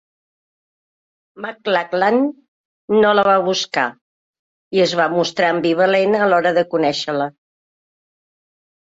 McLachlan no la va buscar i es va mostrar ambivalent a l'hora de conèixer-la.